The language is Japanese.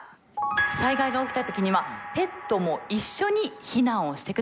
災害が起きた時にはペットも一緒に避難をして下さい。